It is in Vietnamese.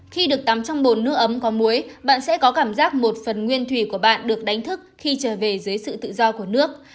khi được tắm trong bồn nước ấm có muối bạn sẽ có cảm giác một phần nguyên thủy của bạn được đánh thức khi trở về dưới sự tự do của nước